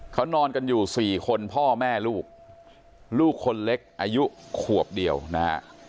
เขานอนกันอยู่สี่คนพ่อแม่ลูกลูกคนเล็กอายุขวบเดียวนะฮะ